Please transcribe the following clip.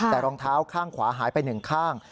แต่รองเท้าข้างขวาหายไปหนึ่งข้าง